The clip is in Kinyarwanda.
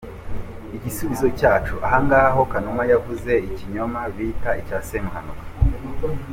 Igisubizo cyacu: Ahangaha ho Kanuma yavuze cya kinyoma bita icya Semuhanuka.